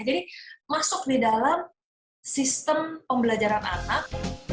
jadi masuk di dalam sistem pembelajaran anak